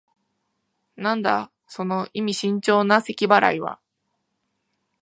なんだ、その意味深長なせき払いは。